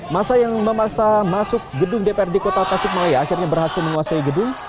masa yang memaksa masuk gedung dprd kota tasikmalaya akhirnya berhasil menguasai gedung